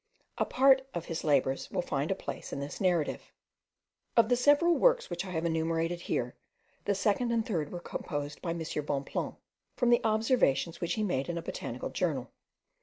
A part of his labours will find a place in this narrative. Of the different works which I have here enumerated, the second and third were composed by M. Bonpland, from the observations which he made in a botanical journal.